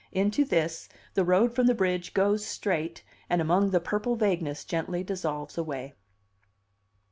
Into this the road from the bridge goes straight and among the purple vagueness gently dissolves away.